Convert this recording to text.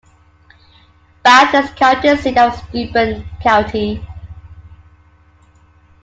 Bath is the county seat of Steuben County.